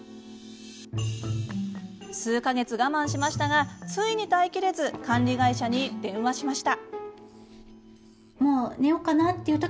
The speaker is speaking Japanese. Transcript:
数か月、我慢しましたがついに耐えきれず管理会社に電話しました。